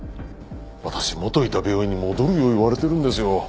私元いた病院に戻るよう言われてるんですよ。